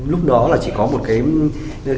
lúc đó là chỉ có một cái